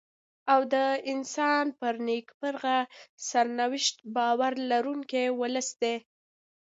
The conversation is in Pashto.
او د انسان پر نېکمرغه سرنوشت باور لرونکی ولس دی.